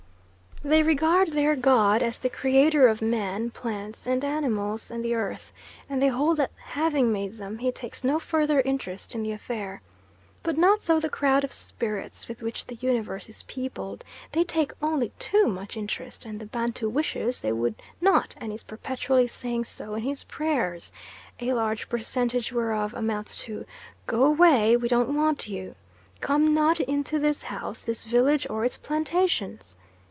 They regard their god as the creator of man, plants, animals, and the earth, and they hold that having made them, he takes no further interest in the affair. But not so the crowd of spirits with which the universe is peopled, they take only too much interest and the Bantu wishes they would not and is perpetually saying so in his prayers, a large percentage whereof amounts to "Go away, we don't want you." "Come not into this house, this village, or its plantations."